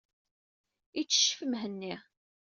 Itteccef Mhenni.